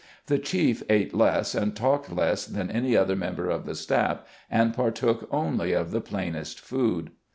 The chief ate less and talked less than any other member of the staff, and partook only of the plainest food.